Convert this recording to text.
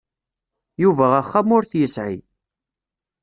Yuba axxam ur t-yesɛi.